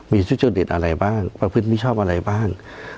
มีทุจริตอะไรบ้างประพฤติมิชอบอะไรบ้าง